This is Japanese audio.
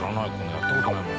やった事ないもん。